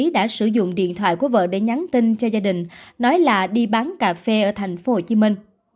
đã sử dụng điện thoại của vợ để nhắn tin cho gia đình nói là đi bán cà phê ở thành phố hồ chí minh